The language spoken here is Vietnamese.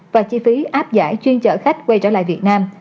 và chi phí áp giải chuyên chở khách quay trở lại việt nam